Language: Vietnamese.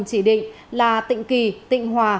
chỉ định là tịnh kỳ tịnh hòa